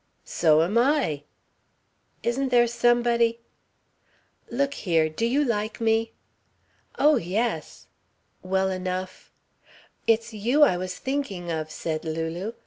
"So am I!" "Isn't there somebody " "Look here. Do you like me?" "Oh, yes!" "Well enough " "It's you I was thinking of," said Lulu.